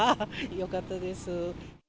よかったです。